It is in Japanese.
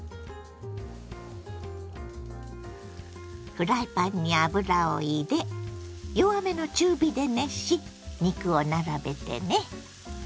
フライパンに油を入れ弱めの中火で熱し肉を並べてね。